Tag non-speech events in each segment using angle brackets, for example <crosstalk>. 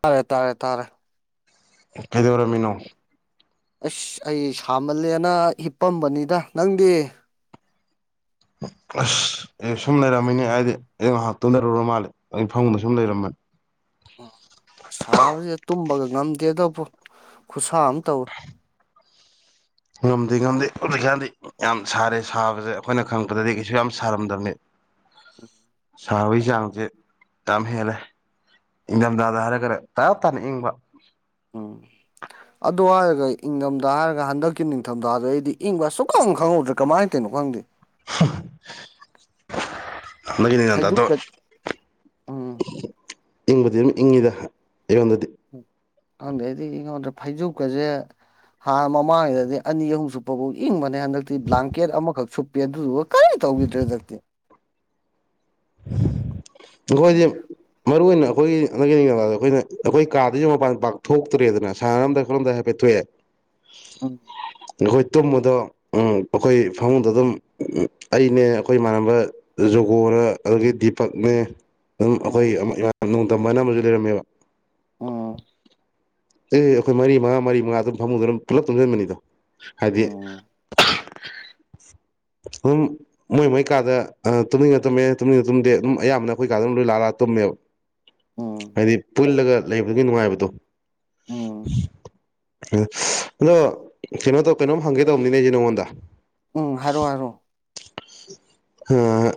ꯇꯥꯔꯦ ꯇꯥꯔꯦ ꯇꯥꯔꯦ ꯀꯩꯗꯧꯔꯝꯃꯤꯅꯣ ꯑꯁ ꯑꯩ ꯁꯥꯃꯜꯂꯦꯅ ꯍꯤꯞꯄꯝꯕꯅꯤꯗꯥ ꯅꯪꯗꯤ ꯑꯁ ꯑꯦ ꯁꯨꯝ ꯂꯩꯔꯝꯃꯤꯅꯦ ꯑꯩꯗꯤ ꯑꯩ ꯉꯍꯥꯛ ꯇꯨꯝꯗꯔꯨꯔ ꯃꯥꯜꯂꯦ ꯑꯩ ꯐꯃꯨꯡꯗ ꯁꯨꯝ ꯎꯝ ꯂꯩꯔꯝꯕꯅꯤ ꯎꯝ ꯁꯥꯕꯖꯤꯗ ꯇꯨꯝꯕꯒ ꯉꯝꯗꯦꯗ ꯕꯣ ꯈꯨꯠꯁꯥ ꯑꯝ ꯇꯧꯋꯦ ꯉꯝꯗꯦ ꯉꯝꯗꯦ ꯍꯧꯖꯤꯛꯀꯥꯟꯗꯤ ꯌꯥꯝ ꯁꯥꯔꯦ ꯁꯥꯕꯖꯦ ꯑꯈꯣꯏꯅ ꯈꯪꯉꯛꯄꯗꯗꯤ ꯀꯩꯁꯨ ꯌꯥꯝ ꯁꯥꯔꯝꯗꯕꯅꯤ ꯁꯥꯕꯒꯤ ꯆꯥꯡꯖꯦ ꯌꯥꯝ ꯍꯦꯜꯂꯦ ꯎꯝ ꯏꯟꯗꯝꯗꯗ ꯍꯥꯏꯔꯒꯅ ꯇꯥꯞ ꯇꯥꯏꯅ ꯏꯪꯕ ꯎꯝ ꯑꯗꯨ ꯍꯥꯏꯔꯒ ꯏꯪꯗꯝꯗꯥ ꯍꯥꯏꯔꯒ ꯍꯟꯗꯛꯀꯤ ꯅꯤꯡꯊꯝꯊꯥꯗꯩꯗꯤ ꯏꯪꯕ ꯁꯨꯛꯈꯪ ꯈꯪꯍꯧꯗ꯭ꯔꯦ ꯀꯃꯥꯏꯟ ꯇꯧ ꯀꯩꯅꯣ ꯈꯪꯗꯦ <inaudible> ꯅꯤꯡꯊꯝꯊꯥꯗꯣ ꯐꯥꯏꯖꯨꯞꯀ ꯎꯝ ꯏꯪꯕꯗꯤ ꯑꯗꯨꯝ ꯏꯪꯉꯤꯗ ꯑꯩꯉꯣꯟꯗꯗꯤ ꯈꯪꯗꯦ ꯑꯩꯗꯤ ꯏꯉꯣꯟꯗ ꯐꯩꯖꯨꯞꯀꯖꯦ ꯍꯥꯟ ꯃꯃꯥꯡꯒꯤꯗꯗꯤ ꯑꯅꯤ ꯑꯍꯨꯝ ꯁꯨꯞꯄ ꯕꯣꯛ ꯏꯪꯕꯅꯤ ꯍꯟꯗꯛꯇꯤ ꯕ꯭ꯂꯥꯡꯀꯦꯠ ꯑꯃꯈꯛ ꯁꯨꯞꯄꯦ ꯑꯗꯨꯗꯨꯒ ꯀꯔꯤ ꯇꯧꯈꯤꯗ꯭ꯔꯦ ꯍꯟꯗꯛꯇꯤ ꯑꯈꯣꯏꯗꯤ ꯈꯪꯗꯦ ꯃꯔꯨ ꯑꯣꯏꯅ ꯑꯈꯣꯏ ꯍꯟꯗꯛꯀꯤ ꯅꯤꯡꯊꯝꯊꯥꯗ ꯑꯈꯣꯏꯅ ꯑꯈꯣꯏ ꯀꯥꯗꯒꯤ ꯃꯄꯥꯟ ꯄꯥꯛ ꯊꯣꯛꯇ꯭ꯔꯦꯗꯅ ꯁꯥꯟꯅꯔꯝꯗꯥꯏ ꯈꯣꯠꯂꯝꯗꯥꯏ ꯍꯥꯏꯐꯦꯠ ꯊꯣꯛꯑꯦ <inaudible> ꯑꯪ ꯑꯈꯣꯏ ꯇꯨꯝꯕꯗꯣ ꯎꯪ ꯑꯈꯣꯏ ꯐꯃꯨꯡꯗ ꯗꯨꯝ ꯑꯩꯅꯦ ꯑꯈꯣꯏ ꯏꯃꯥꯟꯅꯕ ꯖꯨꯒꯣꯔ ꯑꯗꯨꯗꯒꯤ ꯗꯤꯄꯛꯅꯦ ꯑꯗꯨꯝ ꯑꯈꯣꯏ ꯎꯝ ꯌꯥꯝ ꯅꯣꯡꯗꯝꯕꯅ ꯑꯃꯁꯨ ꯂꯩꯔꯝꯃꯦꯕ ꯎꯝ ꯑꯦ ꯑꯈꯣꯏ ꯃꯔꯤ ꯃꯉꯥ ꯃꯔꯤ ꯃꯉꯥ ꯑꯗꯨꯝ ꯐꯃꯨꯡꯗ ꯑꯗꯨꯝ ꯄꯨꯂꯞ ꯄꯨꯟꯁꯤꯟꯕꯅꯤꯗ ꯍꯥꯏꯕꯗꯤ ꯎꯝ ꯑꯗꯨꯝ ꯃꯣꯏ ꯃꯣꯏ ꯀꯥꯗ ꯇꯨꯝꯅꯤꯡꯉ ꯇꯨꯝꯃꯦ ꯇꯨꯝꯅꯤꯡꯉ ꯇꯨꯝꯗꯦ ꯑꯗꯨꯝ ꯑꯌꯥꯝꯕꯅ ꯑꯩꯈꯣꯏ ꯀꯥꯗꯅ ꯂꯣꯏ ꯂꯥꯑ ꯂꯥꯛꯑꯒ ꯇꯨꯝꯃꯦ ꯎꯝ ꯎꯝ ꯍꯥꯏꯗꯤ ꯄꯨꯜꯂꯒ ꯂꯩꯕꯒꯤ ꯅꯨꯡꯉꯥꯏꯕꯗꯣ ꯎꯝ <inaudible> ꯑꯗꯣ ꯀꯩꯅꯣ ꯇꯧ ꯀꯩꯅꯣꯝ ꯍꯪꯒꯦ ꯇꯧꯕꯅꯤꯅꯦ ꯑꯩꯁꯦ ꯅꯉꯣꯟꯗ ꯎꯝ ꯍꯥꯏꯔꯣ ꯍꯥꯏꯔꯣ ꯑꯝ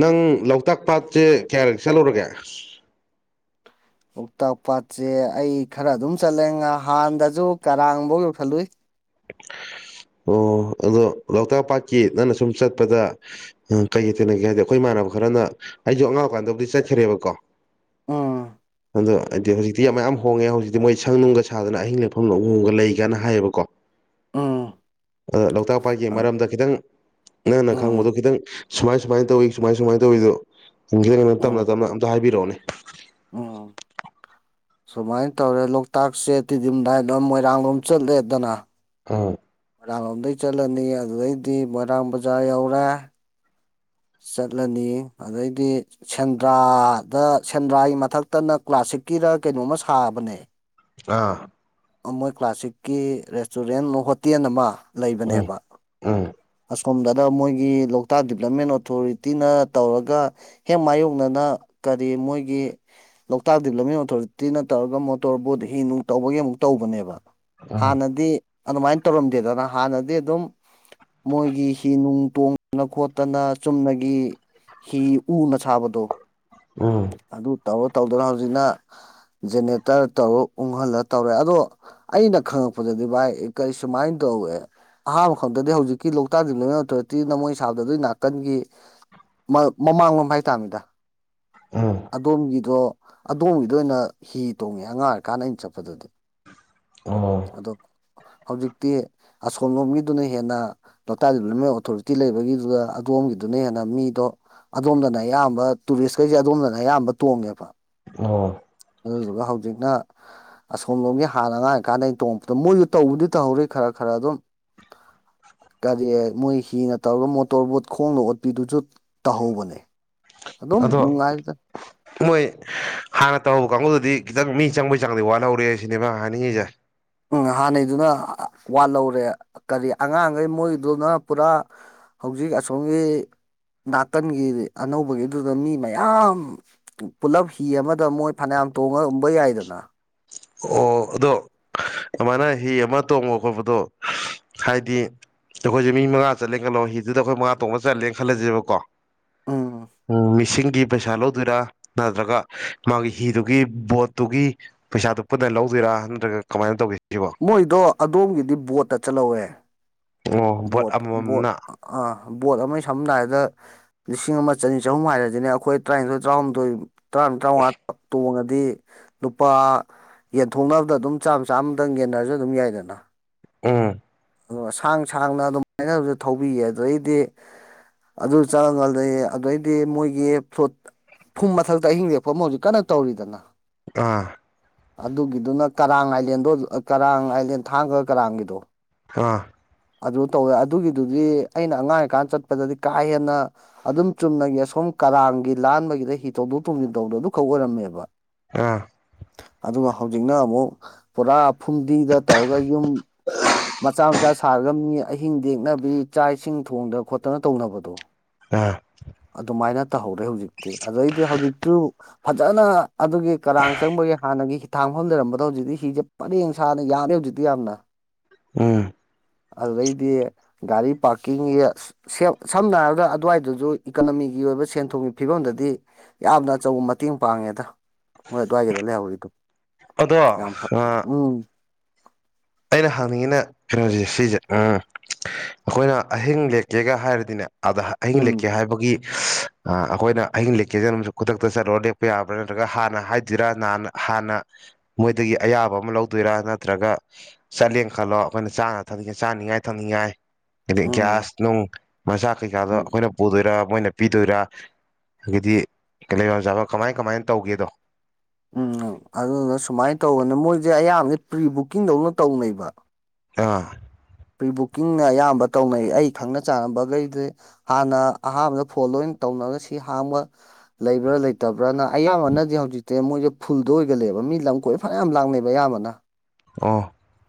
ꯅꯪ ꯂꯣꯛꯇꯥꯛ ꯄꯥꯠꯁꯦ ꯀꯌꯥꯔꯛ ꯆꯠꯂꯨꯔꯒꯦ ꯂꯣꯛꯇꯥꯛ ꯄꯥꯠꯁꯦ ꯑꯩ ꯈꯔ ꯑꯗꯨꯝ ꯆꯠꯂꯦ ꯉ ꯍꯥꯟꯅꯗꯁꯨ ꯀꯔꯥꯡꯐꯧ ꯌꯧꯁꯤꯂꯨꯏ ꯑꯣ ꯑꯗꯣ ꯂꯣꯛꯇꯥꯛ ꯄꯥꯠꯀꯤ ꯅꯪꯅ ꯁꯨꯝ ꯆꯠꯄꯗ ꯀꯩ ꯀꯩ ꯊꯦꯡꯅꯒꯦ ꯍꯥꯏꯗꯤ ꯑꯈꯣꯏ ꯏꯃꯥꯟꯅꯕ ꯈꯔꯅ ꯑꯩꯁꯨ ꯑꯉꯥꯡ ꯑꯣꯏ ꯀꯥꯟꯗꯕꯨꯗꯤ ꯆꯠꯈ꯭ꯔꯦꯕꯀꯣ ꯑꯝ ꯑꯗꯣ ꯍꯥꯏꯗꯤ ꯍꯧꯖꯤꯛꯇꯤ ꯃꯌꯥꯝ ꯍꯣꯡꯉꯦ ꯍꯧꯖꯤꯛꯇꯤ ꯃꯣꯏ ꯁꯪ ꯅꯨꯡꯒ ꯁꯥꯗꯅ ꯑꯍꯤꯡ ꯂꯦꯛꯐꯝ ꯍꯣꯡꯒ ꯂꯩꯒꯅ ꯍꯥꯏꯌꯦꯕꯀꯣ <inaudible> ꯎꯝ ꯑꯗ ꯂꯣꯛꯇꯥꯛ ꯄꯥꯠꯀꯤ ꯃꯔꯝꯗ ꯈꯤꯇꯪ ꯅꯪꯅ ꯈꯪꯕꯗꯣ ꯎꯝ ꯈꯤꯇꯪ ꯁꯨꯃꯥꯏ ꯁꯨꯃꯥꯏꯅ ꯇꯧꯋꯤ ꯁꯨꯃꯥꯏ ꯁꯨꯃꯥꯏꯅ ꯇꯧꯏꯗꯨ ꯅꯤꯡꯖꯤꯡꯉ ꯇꯞꯅ ꯎꯝ ꯇꯞꯅ ꯑꯝꯇ ꯍꯥꯏꯕꯤꯔꯛꯑꯣꯅꯦ ꯎꯝ ꯁꯨꯃꯥꯏꯅ ꯇꯧꯔꯦ ꯂꯣꯛꯇꯥꯛꯁꯦ ꯇꯤꯗꯤꯝꯗꯥꯏꯟ ꯂꯣꯝ ꯃꯣꯏꯔꯥꯡꯂꯣꯝ ꯆꯠꯂꯦꯗꯅ ꯎꯝ ꯃꯣꯏꯔꯥꯡ ꯂꯣꯝꯗꯩ ꯆꯠꯂꯅꯤ ꯑꯗꯨꯗꯩꯗꯤ ꯃꯣꯏꯔꯥꯡ ꯕꯖꯥꯔ ꯌꯧꯔꯦ ꯆꯠꯂꯅꯤ ꯑꯗꯩꯗꯤ ꯁꯦꯟꯗ꯭ꯔꯥꯗ ꯁꯦꯟꯗ꯭ꯔꯥꯒꯤ ꯃꯊꯛꯇꯅ ꯀ꯭ꯂꯥꯁ ꯁꯤꯛꯀꯤꯔ ꯀꯩꯅꯣꯝꯃ ꯁꯥꯕꯅꯦ ꯑꯥ ꯃꯣꯏ ꯀ꯭ꯂꯥꯁꯤꯛꯀꯤ ꯔꯦꯁꯇꯨꯔꯦꯟ ꯍꯣꯇꯦꯜ ꯑꯃ ꯎꯝ ꯂꯩꯕꯅꯦꯕ ꯎꯝ ꯑꯁꯨ ꯁꯣꯝꯗꯅ ꯃꯣꯏꯒꯤ ꯂꯣꯛꯇꯥꯛ ꯗꯤꯕꯂꯞꯃꯦꯟ ꯑꯣꯊꯣꯔꯤꯇꯤꯅ ꯇꯧꯔꯒ ꯍꯦꯛ ꯃꯥꯌꯣꯛꯅꯅ ꯀꯔꯤ ꯃꯣꯏꯒꯤ ꯂꯣꯛꯇꯥꯛ ꯗꯤꯕꯂꯞ ꯑꯣꯊꯣꯔꯤꯇꯤꯅ ꯇꯧꯔꯒ ꯃꯣꯇꯣꯔ ꯕꯣꯠ ꯍꯤ ꯅꯨꯡ ꯇꯧꯕꯒꯤ ꯑꯃꯨꯛ ꯇꯧꯕꯅꯦꯕ ꯍꯥꯟꯅꯗꯤ ꯑꯗꯨꯃꯥꯏꯅ ꯇꯧꯔꯝꯗꯦꯗꯅ ꯍꯥꯟꯅꯗꯤ ꯑꯗꯨꯝ ꯃꯣꯏꯒꯤ ꯍꯤ ꯅꯨꯡ ꯇꯣꯡꯗꯅ ꯈꯣꯠꯇꯅ ꯆꯨꯝꯅꯒꯤ ꯍꯤ ꯎꯅ ꯁꯥꯕꯗꯣ ꯎꯝ ꯑꯗꯨ ꯇꯧꯔꯣ ꯇꯧꯗꯔ ꯍꯧꯖꯤꯛꯅ ꯖꯦꯅꯦꯔꯦꯇꯔ ꯇꯧꯔ ꯎꯪꯍꯜꯂ ꯇꯧꯔꯦ ꯑꯗꯣ ꯑꯩꯅ ꯈꯪꯉꯛꯄꯗꯗꯤ ꯚꯥꯏ ꯀꯔꯤ ꯁꯨꯃꯥꯏꯅ ꯇꯧ ꯇꯧꯋꯦ ꯑꯍꯥꯟꯕ ꯈꯪꯗꯗꯤ ꯍꯧꯖꯤꯛꯀꯤ ꯂꯣꯛꯇꯥꯛ ꯗꯦꯕꯂꯞꯃꯦꯟ ꯑꯣꯊꯣꯔꯤꯇꯤꯅ ꯅ ꯃꯣꯏ ꯁꯥꯕꯗ ꯀꯟꯒꯤ ꯃꯃꯥꯡꯂꯣꯝ ꯍꯥꯏꯇꯥꯥꯝ ꯃꯤꯗ ꯎꯝ ꯑꯗꯣꯝꯒꯤꯗꯣ ꯑꯗꯣꯝꯒꯤꯗ ꯑꯣꯏꯅ ꯍꯤ ꯇꯣꯡꯉꯦ ꯑꯉꯥꯡ ꯑꯣꯏꯔꯤꯀꯥꯟꯗ ꯑꯩꯅ ꯆꯠꯄꯗꯨꯗꯤ <inaudible> ꯑꯗꯣ ꯍꯧꯖꯤꯛꯇꯤ ꯑꯁꯣꯝ ꯂꯣꯝꯒꯤꯗꯨꯅ ꯍꯦꯟꯅ ꯂꯣꯛꯇꯥꯛ ꯗꯦꯕꯂꯞꯃꯦꯟ ꯑꯣꯊꯣꯔꯤꯇꯤ ꯂꯩꯕꯒꯤꯗꯨꯗ ꯑꯗꯣꯝꯒꯤꯗꯨꯅꯦ ꯍꯦꯟꯅ ꯃꯤꯗꯣ ꯑꯗꯣꯝꯗꯅ ꯑꯌꯥꯝꯕ ꯇꯨꯔꯤꯁꯈꯩꯁꯦ ꯑꯗꯣꯝꯗꯅ ꯑꯌꯥꯝꯕ ꯇꯣꯡꯉꯦꯕ ꯑꯣ ꯑꯗꯨꯗꯨꯒ ꯍꯧꯖꯤꯛꯅ ꯑꯁꯣꯝꯂꯣꯝꯒꯤ ꯍꯥꯟꯅ ꯑꯉꯥꯡ ꯑꯣꯏꯔꯤꯀꯥꯟꯗ ꯑꯩꯅ ꯇꯣꯡꯉꯄꯗ ꯃꯣꯏꯁꯨ ꯇꯧꯕꯨꯗꯤ ꯇꯧꯍꯧꯔꯤ ꯈꯔ ꯈꯔ ꯑꯗꯨꯝ <inaudible> ꯒꯥꯔꯤ ꯃꯣꯏ ꯍꯤꯅ ꯇꯧꯔꯒ ꯃꯣꯇꯣꯔꯕꯣꯠ ꯈꯣꯡꯗ ꯑꯣꯠꯄꯤꯗꯨꯁꯨ ꯇꯧꯍꯧꯕꯅꯦ ꯑꯗꯨꯝ ꯑꯗꯣ ꯅꯨꯡꯉꯥꯏꯗ ꯃꯣꯏ ꯍꯥꯟꯅ ꯇꯧꯍꯧꯕ ꯀꯥꯡꯕꯨꯗꯨꯗꯤ ꯈꯤꯇꯪ ꯃꯤ ꯆꯪꯕꯩ ꯆꯥꯡꯗꯤ ꯋꯥꯠꯍꯧꯔꯦ ꯁꯤꯅꯦꯕ ꯍꯥꯏꯅꯤꯡꯉꯤꯁꯦ ꯎꯝ ꯍꯥꯟꯅꯩꯗꯨꯅ ꯋꯥꯠꯍꯧꯔꯦ ꯀꯔꯤ ꯑꯉꯥꯡꯈꯩ ꯃꯣꯏꯗꯨꯅ ꯄꯨꯔꯥ ꯍꯧꯖꯤꯛ ꯑꯁꯣꯝꯒꯤ ꯅꯥꯀꯟꯒꯤ ꯑꯅꯧꯕꯒꯤꯗꯨꯗ ꯃꯤ ꯃꯌꯥꯝ ꯄꯨꯂꯞ ꯍꯤ ꯑꯃꯗ ꯃꯣꯏ ꯐꯅꯌꯥꯝ ꯇꯣꯡꯉꯒꯨꯝꯕ ꯌꯥꯏꯗꯅ ꯑꯣ ꯑꯗꯣ ꯑꯗꯨꯃꯥꯏꯅ ꯍꯤ ꯑꯃ ꯇꯣꯡꯕ ꯈꯣꯠꯄꯗꯣ ꯍꯥꯏꯗꯤ ꯑꯈꯣꯏꯖꯦ ꯃꯤ ꯃꯉꯥ ꯆꯠꯂꯦ ꯈꯜꯂꯣ ꯍꯤꯗꯨꯗ ꯑꯈꯣꯏ ꯃꯉꯥ ꯇꯣꯡꯕ ꯆꯜꯂꯦꯅ ꯈꯜꯂꯖꯦꯕꯀꯣ ꯎꯝ ꯎꯝ ꯃꯤꯁꯤꯡ ꯒꯤ ꯄꯩꯁꯥ ꯂꯧꯗꯣꯏꯔꯥ ꯅꯠꯇ꯭ꯔꯒ ꯃꯥꯒꯤ ꯍꯤꯗꯨꯒꯤ ꯕꯣꯠꯇꯨꯒꯤ ꯄꯩꯁꯥꯗꯨ ꯄꯨꯟꯅ ꯂꯧꯗꯣꯏꯔꯥ ꯅꯠꯇ꯭ꯔꯒ ꯀꯃꯥꯏꯅ ꯇꯧꯒꯦ ꯁꯤꯕꯣ ꯃꯣꯏꯗꯣ ꯑꯗꯣꯝꯒꯤꯗꯤ ꯕꯣꯠꯇ ꯆꯠꯂꯧꯋꯦ ꯑꯣ ꯕꯣꯠ ꯕꯣꯠ ꯑꯃꯃꯝꯅ ꯑꯥ ꯕꯣꯠ ꯑꯃꯩ ꯁꯝꯅ ꯍꯥꯏꯕꯗ ꯂꯤꯁꯤꯡ ꯑꯃ ꯆꯅꯤ ꯆꯍꯨꯝ ꯍꯥꯏꯔꯗꯤꯅꯦ ꯑꯈꯣꯏ ꯇꯔꯥꯏꯅꯤꯊꯣꯏ ꯇꯔꯥꯍꯨꯝꯗꯣꯏ ꯇꯔꯥꯃꯔꯤ ꯇꯔꯥꯉ꯭ꯋꯥ ꯇꯣꯡꯉ ꯗꯤ ꯂꯨꯄꯥ ꯌꯦꯟꯊꯣꯛꯅꯕꯗ ꯑꯗꯨꯝ ꯆꯥꯝꯃ ꯆꯥꯝꯃꯗꯪ ꯌꯦꯟꯅꯔꯖꯨ ꯑꯗꯨꯝ ꯌꯥꯏꯗꯅ ꯎꯝ ꯑꯗꯨ ꯁꯥꯡ ꯁꯥꯡꯅ ꯑꯗꯨꯃꯥꯏꯅ ꯗꯨꯖꯨ ꯊꯧꯕꯤꯌꯦ ꯑꯗꯩꯗꯤ ꯑꯗꯨ ꯆꯪꯉꯒꯗꯤ ꯑꯗꯩꯗꯤ ꯃꯣꯏꯒꯤ ꯐ꯭ꯂꯨꯠ ꯐꯨꯝ ꯃꯊꯛꯇ ꯑꯍꯤꯡ ꯂꯦꯛꯄꯃ ꯍꯧꯖꯤꯛ ꯀꯟꯅ ꯇꯧꯔꯤꯗꯅ ꯑꯥ ꯑꯗꯨꯒꯤꯗꯨꯅ ꯀꯔꯥꯡ ꯑꯥꯏꯂꯦꯟꯗꯣ ꯀꯔꯥꯡ ꯑꯥꯏꯂꯦꯟ ꯊꯥꯡꯒ ꯀꯔꯥꯡꯒꯤꯗꯣ ꯑꯥ ꯑꯗꯨ ꯇꯧꯋꯦ ꯑꯗꯨꯒꯤꯗꯨꯗꯤ ꯑꯩꯅ ꯑꯉꯥꯡ ꯑꯣꯏꯌꯤꯀꯥꯟ ꯆꯠꯄꯗꯗꯤ ꯀꯥ ꯍꯦꯟꯅ ꯑꯗꯨꯝ ꯆꯨꯝꯅꯒꯤ ꯑꯁꯣꯝ ꯀꯔꯥꯡꯒꯤ ꯂꯥꯟꯕꯒꯤꯗ ꯍꯤ ꯇꯣꯡꯗꯣꯛ ꯇꯣꯡꯖꯤꯟ ꯇꯧꯕꯗꯣ ꯑꯗꯨꯈꯛ ꯑꯣꯏꯔꯝꯃꯦꯕ ꯑꯥ ꯑꯗꯨꯒ ꯍꯧꯖꯤꯛꯅ ꯑꯃꯨꯛ ꯄꯨꯔꯥ ꯐꯨꯝꯗꯤꯗ ꯇꯧꯔꯒ ꯌꯨꯝ ꯃꯆꯥ ꯃꯆꯥ ꯁꯥꯔꯒ ꯃꯤ ꯑꯍꯤꯡ ꯂꯦꯛꯅꯕꯤ ꯆꯥꯛ ꯏꯁꯤꯡ ꯊꯣꯡꯗ ꯈꯣꯠꯇꯅ ꯇꯧꯅꯕꯗꯣ ꯑꯥ ꯑꯗꯨꯃꯥꯏꯅ ꯇꯍꯧꯔꯦ ꯍꯧꯖꯤꯛꯇꯤ ꯑꯗꯩꯗꯤ ꯍꯧꯖꯤꯛꯇꯨ ꯐꯖꯅ ꯑꯗꯨꯒꯤ ꯀꯔꯥꯡ ꯆꯪꯕꯒꯤ ꯍꯥꯟꯅꯒꯤ ꯍꯤ ꯊꯥꯡꯐꯝ ꯂꯩꯔꯝꯕꯗꯣ ꯍꯧꯖꯤꯛꯇꯤ ꯍꯤꯖꯦ ꯄꯔꯦꯡ ꯁꯥꯅ ꯌꯥꯔꯦ ꯍꯧꯖꯤꯛꯇꯤ ꯌꯥꯝꯅ ꯎꯝ ꯑꯗꯨꯗꯩꯗꯤ ꯒꯥꯔꯤ ꯄꯥꯔꯀꯤꯡꯒꯤ ꯁꯦꯕ ꯁꯝꯅ ꯍꯥꯏꯔꯕꯗ ꯑꯗ꯭ꯋꯥꯏꯗꯖꯨ ꯏꯀꯅꯃꯤ ꯒꯤ ꯑꯣꯏꯕ ꯁꯦꯟ ꯊꯨꯝꯒꯤ ꯐꯤꯕꯝꯗꯗꯤ ꯌꯥꯝꯅ ꯑꯆꯧꯕ ꯃꯇꯦꯡ ꯄꯥꯡꯉꯦꯗ ꯍꯣꯏ ꯑꯗꯨ꯭ꯋꯥꯏꯒꯤꯗ ꯂꯩꯍꯧꯔꯤꯗꯣ ꯑꯗꯣ ꯌꯥꯝ ꯐ ꯎꯝ ꯑꯩꯅ ꯍꯪꯅꯤꯡꯉꯤꯅꯥ ꯀꯩꯅꯣꯖꯦ ꯁꯤꯖꯦ ꯎꯝ ꯑꯈꯣꯏꯅ ꯑꯍꯤꯡ ꯂꯦꯛꯀꯦꯒ ꯍꯥꯏꯔꯗꯤꯅꯦ ꯑꯥꯗ ꯑꯍꯤꯡ ꯎꯝ ꯂꯦꯛꯀꯦ ꯍꯥꯏꯕꯒꯤ ꯑꯥ ꯑꯈꯣꯏꯅ ꯑꯍꯤꯡ ꯂꯦꯛꯀꯦꯖꯨ ꯗꯨꯝ ꯈꯨꯗꯛꯇ ꯆꯠꯂꯨꯔ ꯂꯦꯛꯄ ꯌꯥꯕ꯭ꯔꯥ ꯅꯠꯇ꯭ꯔꯒ ꯍꯥꯟꯅ ꯍꯥꯏꯗꯤꯔꯥꯥꯅ ꯍꯥꯟꯅ ꯃꯣꯏꯗꯒꯤ ꯑꯌꯥꯕ ꯑꯃ ꯂꯧꯗꯣꯏꯔꯥ ꯅꯠꯇ꯭ꯔꯒ ꯆꯠꯂꯦꯅ ꯈꯜꯂꯣ ꯑꯈꯣꯏꯅ ꯆꯥꯅ ꯊꯛꯅꯤꯡ ꯆꯥꯅꯤꯡꯉꯥꯏ ꯊꯛꯅꯤꯡꯉꯥꯏ ꯑꯗꯩ ꯎꯝ ꯒ꯭ꯌꯥꯁ ꯅꯨꯡ ꯃꯆꯥꯛ ꯀꯩꯀꯥꯗꯣ ꯎꯝ ꯑꯈꯣꯏꯅ ꯄꯨꯗꯣꯏꯔ ꯃꯣꯏꯅ ꯄꯤꯗꯣꯏꯔꯥ ꯑꯘꯒꯤꯗꯤ ꯂꯩꯕꯝ ꯆꯥꯕꯝ ꯀꯃꯥꯏ ꯀꯃꯥꯏꯅ ꯇꯧꯒꯦꯗꯣ ꯎꯝ ꯑꯗꯨꯗꯨꯅ ꯁꯨꯃꯥꯏꯟ ꯇꯧꯕꯅꯤ ꯃꯣꯏꯖꯦ ꯑꯌꯥꯝꯕꯗꯤ ꯄ꯭ꯔꯤ ꯕꯨꯀꯤꯡꯗꯧꯅ ꯇꯧꯅꯩꯕ ꯑꯥ ꯄ꯭ꯔꯤ ꯕꯨꯛꯀꯤꯡꯅ ꯑꯌꯥꯝꯕ ꯇꯧꯅꯩ ꯑꯩ ꯈꯪꯅ ꯆꯥꯟꯅꯕꯒꯩ ꯗꯤ ꯍꯥꯟꯅ ꯑꯍꯥꯟꯕꯗ ꯐꯣꯟ ꯂꯣꯏꯅ ꯇꯧ ꯅꯔ ꯁꯤ ꯍꯥꯡꯕ ꯂꯩꯕ꯭ꯔꯥ ꯂꯩꯇ ꯭ꯕꯔꯅ ꯑꯌꯥꯝꯕꯅꯗꯤ ꯍꯧꯖꯤꯛꯇꯤ ꯃꯣꯏꯖꯦ ꯐꯨꯜꯗ ꯑꯣꯏꯒꯜꯂꯦꯕ ꯃꯤ ꯂꯝ ꯀꯣꯏꯕ ꯐꯅ꯭ꯌꯥꯝ ꯂꯥꯡꯅꯩꯕ ꯑꯌꯥꯝꯕꯅ ꯑꯣ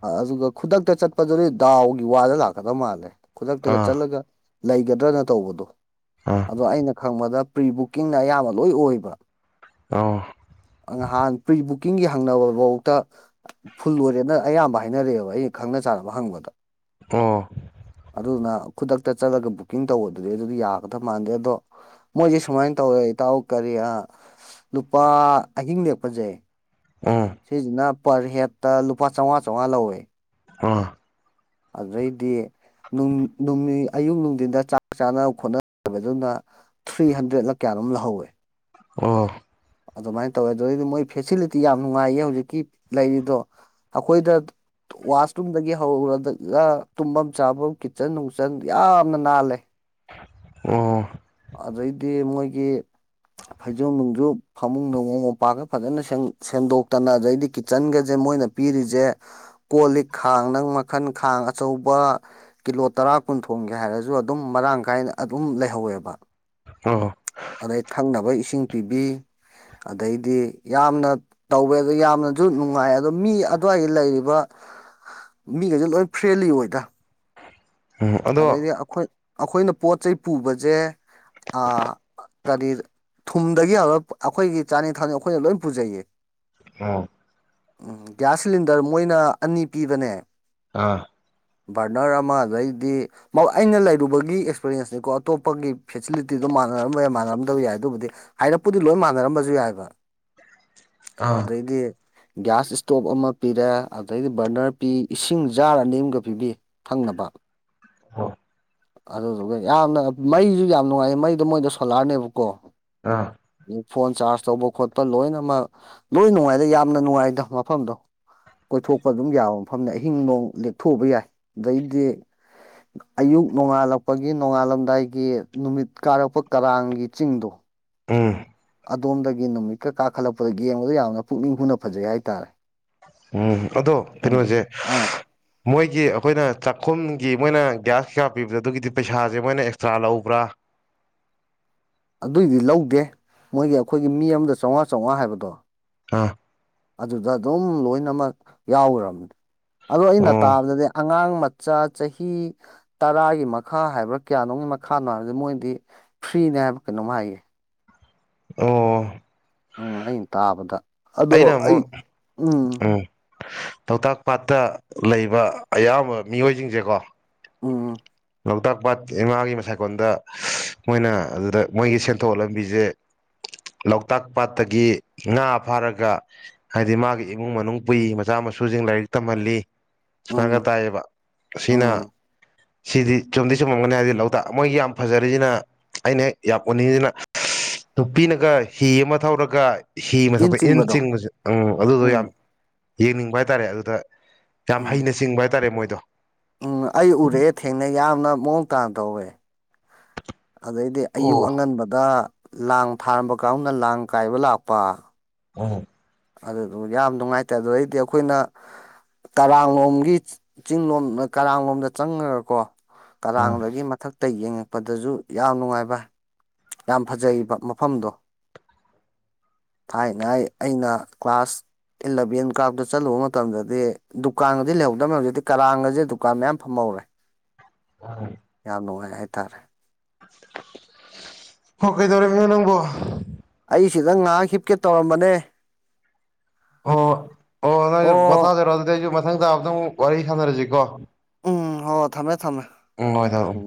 ꯑꯗꯨꯒ ꯈꯨꯗꯛꯇ ꯆꯠꯄꯗꯨꯗꯤ ꯗꯥꯎꯒꯤ ꯋꯥꯗ ꯂꯥꯛꯀꯗꯕ ꯃꯥꯜꯂꯦ ꯈꯨꯗꯛꯇꯒ ꯑꯥ ꯆꯠꯂꯒ ꯂꯩꯒꯗ꯭ꯔꯅ ꯇꯧꯕꯗꯣ ꯑꯥ ꯑꯗꯣ ꯑꯩꯅ ꯈꯪꯕꯗꯥ ꯄ꯭ꯔꯤ ꯕꯨꯛꯀꯤꯡꯅ ꯑꯌꯥꯝꯕ ꯂꯣꯏ ꯑꯣꯏꯕ ꯑꯣ ꯉꯍꯥꯟ ꯄ꯭ꯔꯤ ꯕꯨꯛꯀꯤꯡꯒꯤ ꯍꯪꯅꯕ ꯕꯣꯛꯇ ꯐꯨꯜ ꯑꯣꯏꯔꯦꯅ ꯑꯌꯥꯝꯕ ꯍꯥꯏꯅꯔꯛꯑꯦꯕ ꯑꯩꯅ ꯈꯪꯅ ꯆꯥꯟꯅꯕ ꯍꯪꯕꯗꯥ ꯑꯣ ꯑꯗꯨꯗꯨꯅꯥ ꯈꯨꯗꯛꯇ ꯆꯠꯂꯒ ꯕꯨꯛꯀꯤꯡ ꯇꯧꯕꯗꯨꯗꯤ ꯑꯗꯨꯗꯤ ꯌꯥꯒꯗꯕ ꯃꯥꯟꯗꯦ ꯑꯗꯣ ꯃꯣꯏꯖꯦ ꯁꯨꯃꯥꯏꯅ ꯇꯧꯌꯦ ꯏꯇꯥꯎ ꯀꯔꯤ ꯑꯥ ꯂꯨꯄꯥ ꯑꯍꯤꯡ ꯂꯦꯛꯄꯖꯦ ꯎꯝ ꯁꯤꯖꯤꯅ ꯄꯔ ꯍꯦꯠꯇ ꯂꯨꯄꯥ ꯆꯥꯎꯉꯥ ꯆꯥꯎꯉꯥ ꯂꯧꯋꯦ ꯑꯥ ꯑꯗꯨꯗꯩꯗꯤ ꯅꯨꯡ ꯅꯨꯃꯤ ꯑꯌꯨꯛ ꯅꯨꯡꯗꯤꯟꯗ ꯆꯥꯛ ꯆꯥꯅ ꯈꯣꯠꯅ ꯕꯗꯨꯅ ꯊ꯭ꯔꯤ ꯍꯟꯗ꯭ꯔꯦꯗꯂ ꯀꯌꯥ ꯅꯣꯝ ꯂꯍꯧꯌꯦ ꯑꯣ ꯑꯗꯨꯃꯥꯏꯟ ꯇꯧꯋꯦ ꯑꯗꯩꯗꯤ ꯃꯣꯏ ꯐꯦꯁꯤꯂꯤꯇꯤ ꯌꯥꯝ ꯅꯨꯡꯉꯥꯏꯌꯦ ꯍꯧꯖꯤꯛꯀꯤ ꯂꯩꯔꯤꯗꯣ ꯑꯈꯣꯏꯗ ꯋꯥꯁꯔꯨꯝꯗꯒꯤ ꯍꯧꯔꯗꯒ ꯇꯨꯝꯕꯝ ꯆꯥꯐꯝ ꯀꯤꯠꯆꯟ ꯅꯨꯡꯆꯟ ꯌꯥꯝꯅ ꯅꯥꯜꯂꯦ ꯑꯣ ꯑꯗꯩꯗꯤ ꯃꯣꯏꯒꯤ ꯐꯩꯖꯣꯞ ꯅꯨꯡꯖꯨꯞ ꯐꯃꯨꯡ ꯅꯣꯡꯃꯨ ꯃꯣꯝꯄꯥꯛꯀ ꯐꯖꯅ ꯁꯦꯝꯗꯣꯛꯇꯅ ꯑꯗꯩꯗꯤ ꯀꯤꯠꯆꯟꯒꯖꯦ ꯃꯣꯏꯅ ꯄꯤꯔꯤꯖꯦ ꯀꯣ ꯂꯤꯛ ꯈꯥꯡ ꯅꯪ ꯃꯈꯜ ꯈꯥꯡ ꯑꯆꯧꯕ ꯀꯤꯂꯣ ꯇꯔꯥ ꯄꯨꯟ ꯊꯣꯡꯒꯦ ꯍꯥꯏꯔꯖꯨ ꯑꯗꯨꯝ ꯃꯔꯥꯡ ꯀꯥꯏꯅ ꯑꯗꯨꯝ ꯂꯩꯍꯧꯌꯦꯕꯥ ꯑꯣ ꯑꯗꯩ ꯊꯛꯅꯕ ꯏꯁꯤꯡ ꯄꯤꯕꯤ ꯑꯗꯩꯗꯤ ꯌꯥꯝꯅ ꯇꯧꯋꯦ ꯑꯗꯣ ꯌꯥꯝꯅꯖꯨ ꯅꯨꯡꯉꯥꯏ ꯑꯗꯣ ꯃꯤ ꯑꯗ꯭ꯋꯥꯏꯗ ꯂꯩꯔꯤꯕ <inaudible> ꯃꯤꯈꯩꯖꯦ ꯂꯣꯏ ꯐ꯭ꯔꯦꯜꯂꯤ ꯑꯣꯏꯗꯥ ꯎꯝ ꯑꯗꯣ ꯑꯗꯩꯗꯤ ꯑꯈꯣꯏ ꯑꯈꯣꯏꯅ ꯄꯣꯠ ꯆꯩ ꯄꯨꯕꯖꯦ ꯑꯥ ꯒꯥꯔꯤꯗ ꯊꯨꯝꯗꯒꯤ ꯍꯧꯔ ꯑꯈꯣꯏꯒꯤ ꯆꯥꯅꯤ ꯊꯛꯅꯤ ꯑꯈꯣꯏꯅ ꯂꯣꯏ ꯄꯨꯖꯩꯌꯦ ꯑꯣ ꯎꯝ ꯒ꯭ꯌꯥꯁ ꯁꯤꯂꯤꯟꯗꯔ ꯃꯣꯏꯅ ꯑꯅꯤ ꯄꯤꯕꯅꯦ ꯑꯥ ꯚꯔꯅꯔ ꯑꯃ ꯑꯗꯩ ꯗꯤ ꯑꯩꯅ ꯂꯩꯔꯨꯕꯒꯤ ꯑꯦꯛꯁꯄꯔꯤꯌꯦꯟꯁꯅꯤꯀꯣ ꯑꯇꯣꯞꯄꯒꯤ ꯐꯦꯁꯤꯂꯤꯇꯤꯗꯣ ꯃꯥꯟꯅꯔꯝꯕ ꯌꯥꯏ ꯃꯥꯟꯅꯔꯝꯗꯕ ꯌꯥꯏ ꯑꯗꯨꯕꯨꯗꯤ ꯍꯥꯏꯔꯞꯄꯨꯗꯤ ꯂꯣꯏ ꯃꯥꯟꯅꯔꯝꯕꯖꯨ ꯌꯥꯏꯕ <inaudible> ꯑꯥ ꯑꯗꯩꯗꯤ ꯒ꯭ꯌꯥꯁ ꯏꯁꯇꯣꯞ ꯑꯃ ꯄꯤꯔꯦ ꯑꯗꯩꯗꯤ ꯕꯔꯅꯔ ꯄꯤ ꯏꯁꯤꯡ ꯖꯥꯔ ꯑꯅꯤꯝꯒ ꯄꯤꯕꯤ ꯊꯛꯅꯕ ꯑꯣ ꯑꯗꯨꯗꯨꯒ ꯌꯥꯝꯅ ꯃꯩꯖꯨ ꯌꯥꯝ ꯅꯨꯡꯉꯥꯏ ꯃꯩꯗꯣ ꯃꯣꯏꯗꯣ ꯁꯣꯂꯥꯔꯅꯦꯕꯀꯣ ꯑꯥ ꯐꯣꯟ ꯆꯥꯔꯖ ꯇꯧꯕ ꯈꯣꯠꯄ ꯂꯣꯏꯅꯃꯛ ꯂꯣꯏ ꯅꯨꯡꯉꯥꯏꯗ ꯌꯥꯝꯅ ꯅꯨꯡꯉꯥꯏꯗ ꯃꯐꯝꯗꯣ ꯀꯣꯏꯊꯣꯛꯄ ꯑꯗꯨꯝ ꯌꯥꯕ ꯃꯐꯝꯅꯦ ꯑꯍꯤꯡ ꯅꯣꯡ ꯂꯦꯛꯞꯊꯣꯛꯎꯕ ꯌꯥꯏ ꯑꯗꯩꯗꯤ <inaudible> ꯑꯌꯨꯛ ꯅꯣꯡꯉꯥꯜꯂꯛꯄꯒꯤ ꯅꯣꯡꯉꯥꯜꯂꯝꯗꯥꯏꯒꯤ ꯅꯨꯃꯤꯠ ꯀꯥꯔꯛꯄ ꯀꯔꯥꯡꯒꯤ ꯆꯤꯡꯗꯣ ꯎꯝ ꯑꯗꯣꯝꯗꯒꯤ ꯅꯨꯃꯤꯠꯀ ꯀꯥꯈꯠꯂꯛꯄꯗ ꯌꯦꯡꯕꯗ ꯌꯥꯝꯅ ꯄꯨꯛꯅꯤꯡ ꯍꯨꯅ ꯐꯖꯩ ꯍꯥꯏꯇꯥꯔꯦ ꯎꯝ ꯑꯗꯣ ꯅꯪꯒꯤ ꯀꯩꯅꯣꯖꯦ ꯑꯥ ꯃꯣꯏꯒꯤ ꯑꯈꯣꯏꯅ ꯆꯥꯛꯈꯨꯝꯒꯤ ꯃꯣꯏꯅ ꯒ꯭ꯌꯥꯁ ꯀꯩꯀꯥ ꯄꯤꯕꯖꯦ ꯑꯗꯨꯒꯤꯗꯤ ꯄꯩꯁꯥꯖꯦ ꯃꯣꯏꯅ ꯑꯦꯛꯁꯇ꯭ꯔꯥ ꯂꯧꯕ꯭ꯔꯥ <inaudible> ꯑꯗꯨꯏꯗꯤ ꯂꯧꯗꯦ ꯃꯣꯏꯒꯤ ꯑꯈꯣꯏꯒꯤ ꯃꯤ ꯑꯝꯗ ꯆꯥꯎꯉꯥ ꯆꯥꯎꯉꯥ ꯍꯥꯏꯕꯗꯣ ꯑꯥ ꯑꯗꯨꯗ ꯑꯗꯨꯝ ꯂꯣꯏꯅꯃꯛ ꯌꯥꯎꯒ꯭ꯔꯕꯅꯤ ꯑꯗꯣ ꯑꯩꯅ ꯑꯣ ꯇꯥꯕꯗꯗꯤ ꯑꯉꯥꯡ ꯃꯆꯥ ꯆꯍꯤ ꯇꯔꯥꯒꯤ ꯃꯈꯥ ꯍꯥꯏꯕ꯭ꯔꯥ ꯀꯌꯥꯅꯣꯝ ꯃꯈꯥꯅ ꯍꯥꯏꯕꯗꯤ ꯃꯣꯏꯗꯤ ꯐ꯭ꯔꯤ ꯐ꯭ꯔꯤꯅꯦ ꯍꯥꯏꯕ ꯀꯩꯅꯣꯝꯃ ꯍꯥꯏꯌꯦ ꯑꯣ ꯑꯣ ꯑꯩꯅ ꯇꯥꯕꯗ ꯑꯗꯣ ꯑꯩꯅ ꯑꯩ ꯑꯃꯨꯛ ꯎꯝ ꯂꯣꯛꯇꯥꯛ ꯄꯥꯠꯇ ꯂꯩꯕ ꯑꯌꯥꯝꯕ ꯃꯤꯑꯣꯏꯖꯤꯡꯖꯦꯀꯣ ꯎꯝ ꯂꯣꯛꯇꯥꯛ ꯄꯥꯠ ꯏꯃꯥꯒꯤ ꯃꯁꯥꯏꯀꯣꯟꯗ ꯃꯣꯏꯅ ꯑꯗꯨꯗ ꯃꯣꯏꯒꯤ ꯁꯦꯟꯊꯣꯛ ꯂꯝꯕꯤꯖꯦ ꯂꯣꯛꯇꯥꯛ ꯄꯥꯠꯇꯒꯤ ꯉꯥ ꯐꯥꯔꯒ ꯍꯥꯏꯗꯤ ꯃꯥꯒꯤ ꯏꯃꯨꯡ ꯃꯅꯨꯡ ꯄꯨꯏ ꯃꯆꯥ ꯃꯁꯨꯖꯤꯡ ꯂꯥꯏꯔꯤꯛ ꯇꯝꯍꯜꯂꯤ ꯁꯥꯏꯅ ꯎꯝ ꯇꯥꯏꯌꯦꯕ ꯑꯁꯤꯅꯥ ꯎꯝ ꯁꯤꯗꯤ ꯆꯨꯝꯗꯤ ꯆꯨꯝꯃꯝꯒꯅꯤ ꯍꯥꯏꯗꯤ ꯂꯣꯛꯇꯥꯛ ꯃꯣꯏꯒꯤ ꯌꯥꯝ ꯐꯖꯔꯤꯖꯤꯅ ꯑꯩꯅ ꯍꯦꯛ ꯌꯥꯝ ꯎꯅꯤꯡꯉꯤꯖꯤꯅ ꯅꯨꯄꯤꯅꯒ ꯍꯤ ꯑꯃ ꯊꯧꯔꯒ ꯍꯤ ꯃꯊꯛꯇ ꯏꯟ ꯆꯤꯡꯕꯖꯦ ꯑꯪ ꯑꯗꯨꯗꯣ ꯎꯝ ꯌꯥꯝ ꯌꯦꯡꯅꯤꯡꯕ ꯍꯥꯏꯇꯥꯔꯦ ꯑꯗꯨꯗ ꯌꯥꯝ ꯍꯩꯅ ꯎꯝ ꯆꯤꯡꯕ ꯍꯥꯏꯇꯥꯔꯦ ꯃꯣꯏꯗꯣ ꯎꯝ ꯑꯩ ꯎꯔꯑꯦ ꯊꯦꯡꯅꯩ ꯌꯥꯝꯅ ꯃꯑꯣꯡ ꯇꯥꯅ ꯇꯧꯋꯦ ꯑꯗꯩꯗꯤ ꯑꯌꯨꯛ ꯑꯣ ꯑꯉꯟꯕꯗꯥ ꯂꯥꯡ ꯊꯥꯔꯝꯕ ꯀꯥꯡꯒꯨꯅ ꯂꯥꯡ ꯀꯥꯏꯕ ꯂꯥꯛꯄ ꯑꯣ ꯑꯗꯨꯗꯨ ꯌꯥꯝ ꯅꯨꯡꯉꯥꯏꯇꯦ ꯑꯗꯨꯗꯩꯗꯤ ꯑꯈꯣꯏꯅ ꯀꯔꯥꯡꯂꯣꯝꯒꯤ ꯆꯤꯡꯂꯣꯝ ꯀꯔꯥꯡꯂꯣꯝꯗ ꯆꯪꯉꯒꯀꯣ ꯎꯝ ꯀꯔꯥꯡꯗꯒꯤ ꯃꯊꯛꯇ ꯌꯦꯡꯉꯛꯄꯗꯖꯨ ꯌꯥꯝ ꯅꯨꯡꯉꯥꯏꯕ ꯌꯥꯝ ꯐꯖꯩꯕ ꯃꯐꯝꯗꯣ <inaudible> ꯊꯥꯏꯉꯩ ꯑꯩꯅ ꯀ꯭ꯂꯥꯁ ꯑꯦꯂꯚꯦꯟ ꯀꯥꯔꯛꯄꯗ ꯆꯠꯂꯨꯕ ꯃꯇꯝꯗꯗꯤ ꯗꯨꯀꯥꯟꯒꯖꯦ ꯂꯩꯍꯧꯗꯝꯅꯤ ꯍꯧꯖꯤꯛꯇꯤ ꯀꯔꯥꯡꯒꯖꯦ ꯗꯨꯀꯥꯟ ꯃꯌꯥꯝ ꯐꯝꯃꯧ ꯔꯦ ꯌꯥꯝ ꯅꯨꯡꯉꯥꯏ ꯍꯥꯏꯇꯥꯔꯦ ꯍꯣ ꯀꯩꯗꯧꯔꯝꯃꯤꯅꯣ ꯅꯪꯕꯣ ꯑꯩꯁꯤꯗ ꯉꯥꯏꯍꯥꯛ ꯍꯤꯞꯀꯦ ꯇꯧꯔꯝꯕꯅꯦ ꯑꯣ ꯍꯣꯏ ꯑꯣ ꯅꯪꯖꯨ ꯄꯣꯊꯥꯖꯔꯣ ꯑꯗꯨꯗꯤ ꯑꯩꯖꯨ ꯃꯊꯪ ꯇꯥꯕꯗ ꯑꯃꯨꯛ ꯋꯥꯔꯤ ꯁꯥꯟꯅꯔꯖꯤꯀꯣ ꯎꯝ ꯍꯣ ꯍꯣ ꯊꯝꯃꯦ ꯊꯝꯃꯦ ꯍꯣꯏ ꯊꯝꯃꯦ